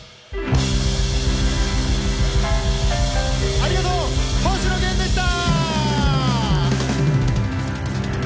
ありがとう星野源でした。